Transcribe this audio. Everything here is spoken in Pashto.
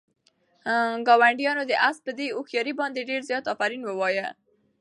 ګاونډیانو د آس په دې هوښیارۍ باندې ډېر زیات آفرین ووایه.